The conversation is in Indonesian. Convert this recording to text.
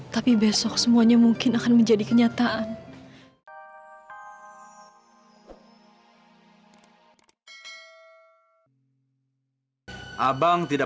tapi besok semuanya mungkin akan menjadi kenyataan